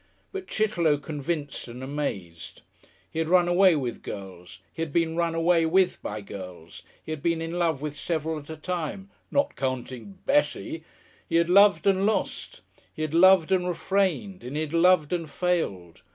But Chitterlow convinced and amazed. He had run away with girls, he had been run away with by girls, he had been in love with several at a time "not counting Bessie" he had loved and lost, he had loved and refrained, and he had loved and failed.